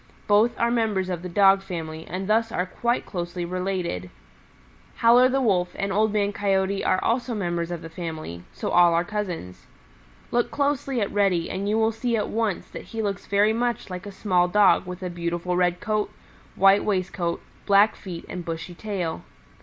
Both are members of the Dog family and thus are quite closely related. Howler the Wolf and Old Man Coyote are also members of the family, so all are cousins. Look closely at Reddy and you will see at once that he looks very much like a small Dog with a beautiful red coat, white waistcoat, black feet and bushy tail.